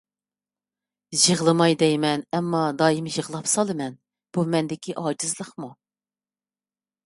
يىغلىماي دەيمەن، ئەمما دائىم يىغلاپ سالىمەن. بۇ مەندىكى ئاجىزلىقمۇ؟